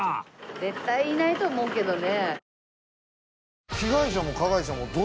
絶対いないと思うけどね。